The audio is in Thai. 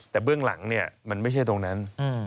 แต่เบื้องหลังเนี่ยมันไม่ใช่ตรงนั้น